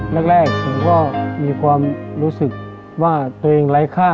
แรกผมก็มีความรู้สึกว่าตัวเองไร้ค่า